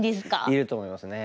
いると思いますね。